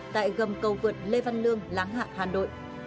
tại gầm cầu vượt lê văn lương láng hạ hà nội